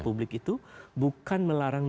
publik itu bukan melarang